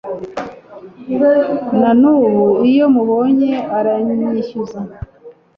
nanubu iyo mubonye aranyishyuza